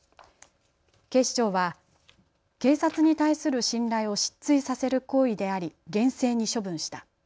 警視庁は警察に対する信頼を失墜させる行為であり厳正に処分した。